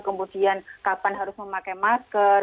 kemudian kapan harus memakai masker